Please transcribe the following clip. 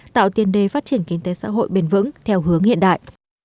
tạo tiền đề phát triển kinh tế xã hội bền vững theo hướng hiện đại